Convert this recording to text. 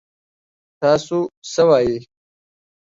تاسو څه وايي ؟